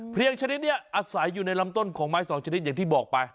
เรียงชนิดนี้อาศัยอยู่ในลำต้นของไม้สองชนิดอย่างที่บอกไป